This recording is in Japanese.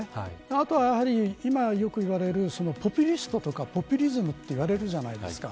あとはやはり、今よく言われるポピュリストとかポピュリズムといわれるじゃないですか。